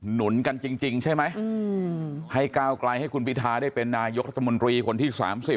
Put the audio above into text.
หนุนกันจริงใช่ไหมให้ก้าวไกลให้คุณพิทาได้เป็นนายกรัฐมนตรีคนที่๓๐